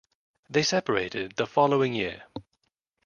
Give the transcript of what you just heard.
They separated the following year.